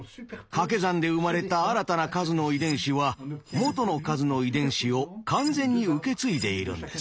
かけ算で生まれた新たな数の遺伝子は元の数の遺伝子を完全に受け継いでいるんです。